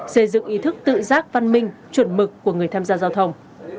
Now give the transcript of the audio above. xây dựng ý thức tự giác văn minh chuẩn mực của người tham gia giao thông